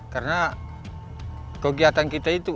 karena kegiatan kita itu